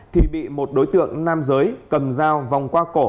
thì bị một đối tượng nam giới cầm dao vòng qua cổ